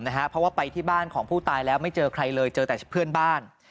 เพราะว่าไปที่บ้านของผู้ตายแล้วไม่เจอใครเลยเจอแต่เพื่อนบ้าน